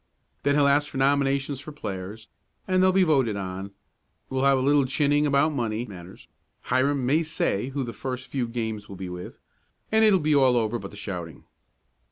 "Then he'll ask for nominations for players and they'll be voted on; we'll have a little chinning about money matters, Hiram may say who the first few games will be with, and it will be all over but the shouting."